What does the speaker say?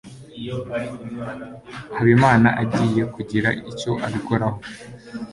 habimana agiye kugira icyo abikoraho